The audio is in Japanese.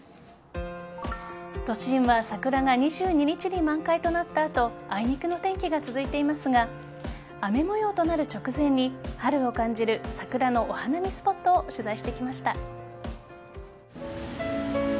都心は桜が２２日に満開となった後あいにくの天気が続いていますが雨模様となる直前に春を感じる桜のお花見スポットを取材してきました。